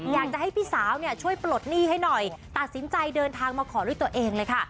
อยากจะให้พี่สาวเนี่ยช่วยปลดหนี้ให้หน่อยตัดสินใจเดินทางมาขอด้วยตัวเองเลยค่ะ